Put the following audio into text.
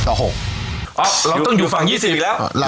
เพราะเราต้องอยู่ฝั่ง๒๐อีกแล้ว